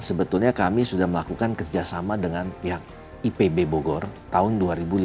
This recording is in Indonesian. sebetulnya kami sudah melakukan kerjasama dengan pihak ipb bogor tahun dua ribu lima belas